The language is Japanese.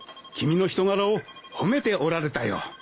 君の人柄を褒めておられたよ。